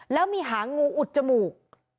แล้วมีหางงูอุดจมูก